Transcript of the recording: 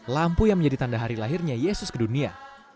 lampu yang menjadi tanda hari lahirnya yesus ke dunia